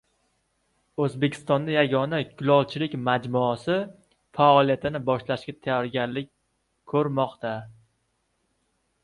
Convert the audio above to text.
O‘zbekistonda yagona kulolchilik majmuasi faoliyatini boshlashga tayyorgarlik ko‘rmoqda